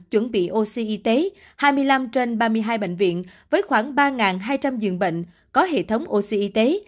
chuẩn bị oxy y tế hai mươi năm trên ba mươi hai bệnh viện với khoảng ba hai trăm linh dường bệnh có hệ thống oxy y tế